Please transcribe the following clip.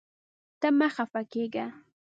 ته مه خفه کېږه.